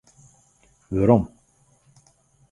Werom.